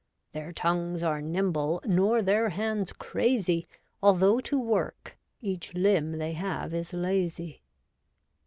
Their tongues are nimble, nor their hands crazy. Although to work, each limb they have is lazy.